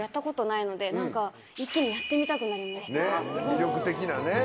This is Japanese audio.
魅力的なね。